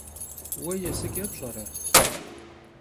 Vue yêsıç'e pş'ere?